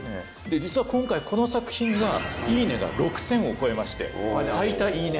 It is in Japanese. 実は今回この作品が「いいね」が６０００を超えまして最多「いいね」